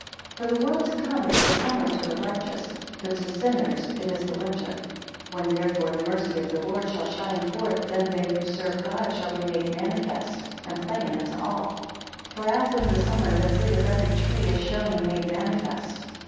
For the world to come, is the summer to the righteous; but to sinners it is the winter. 3 When, therefore, the mercy of the Lord shall shine forth, then they who serve God shall be made manifest, and plain unto all. For as in the summer the fruit of every tree is shown and made manifest.